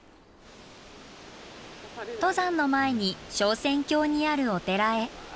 登山の前に昇仙峡にあるお寺へ。